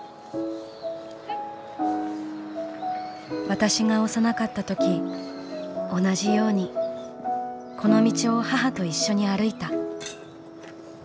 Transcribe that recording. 「私が幼かった時同じようにこの道を母と一緒に歩いた。